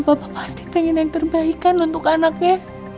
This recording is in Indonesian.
bapak pasti pengen yang terbaik kan untuk anaknya